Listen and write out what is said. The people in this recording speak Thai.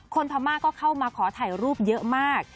พม่าก็เข้ามาขอถ่ายรูปเยอะมาก